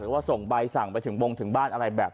ว่าส่งใบสั่งไปถึงบงถึงบ้านอะไรแบบ